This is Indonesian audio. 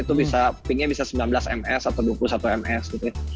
itu bisa pinknya bisa sembilan belas ms atau dua puluh satu ms gitu ya